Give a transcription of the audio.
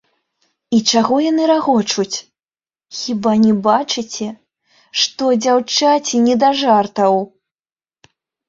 І чаго яны рагочуць, хіба не бачыце, што дзяўчаці не да жартаў.